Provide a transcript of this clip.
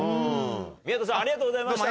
宮田さんありがとうございました。